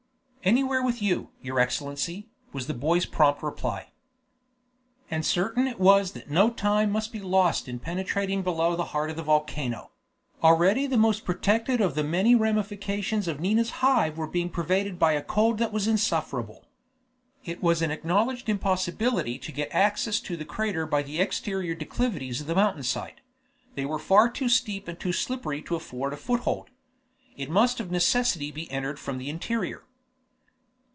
"Anywhere with you, your Excellency," was the boy's prompt reply. And certain it was that no time must be lost in penetrating below the heart of the volcano; already the most protected of the many ramifications of Nina's Hive were being pervaded by a cold that was insufferable. It was an acknowledged impossibility to get access to the crater by the exterior declivities of the mountain side; they were far too steep and too slippery to afford a foothold. It must of necessity be entered from the interior.